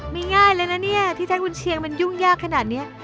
ง่ายเลยนะเนี่ยที่แท็กกุญเชียงมันยุ่งยากขนาดนี้